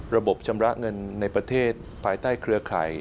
ระบบชำระเงินในประเทศภายใต้เครือข่าย